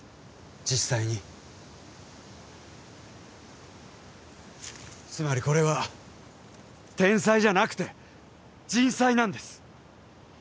実際につまりこれは天災じゃなくて人災なんです